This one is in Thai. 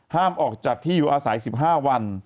ห้ามออกจากที่อยู่อาศัย๑๕วัน